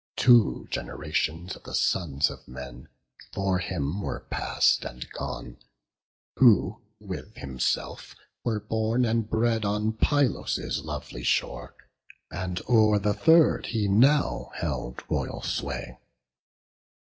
Two generations of the sons of men For him were past and gone, who with himself Were born and bred on Pylos' lovely shore, And o'er the third he now held royal sway.